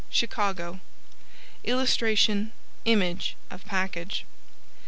CHICAGO [Illustration: Image of package.